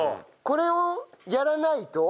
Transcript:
これをやらないと？